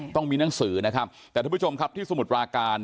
ต้องมีหนังสือนะครับแต่ท่านผู้ชมครับที่สมุทรปราการ